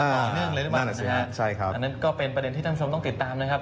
หรือเปล่านั่นแหละใช่ไหมใช่ครับอันนั้นก็เป็นประเด็นที่ท่านทรงต้องติดตามนะครับ